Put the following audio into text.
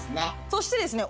そしてですね